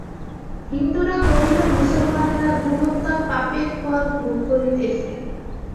হিন্দুরা কহিল, মুসলমানেরা গোহত্যা-পাপের ফল ভোগ করিতেছে।